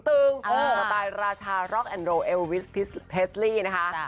กลับไปราชาร็อกแอนด์โรลเอลวิสเพสลีนะคะ